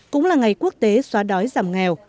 cũng là ngày quốc tế xóa đói giảm nghèo